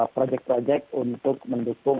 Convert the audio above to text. proyek proyek untuk mendukung